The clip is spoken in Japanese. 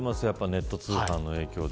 ネット通販の影響で。